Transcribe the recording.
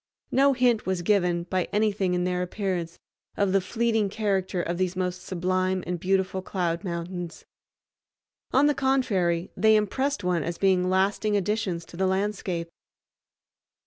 No hint was given, by anything in their appearance, of the fleeting character of these most sublime and beautiful cloud mountains. On the contrary they impressed one as being lasting additions to the landscape.